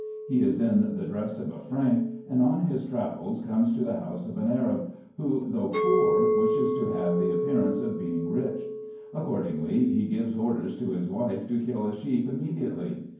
He is in the dress of a Frank ; and, on his travels, comes to the house of an Arab, who, though poor, wishes to have the appearance of being rich. Accordingly he gives orders to his wife, to kill a sheep immediately.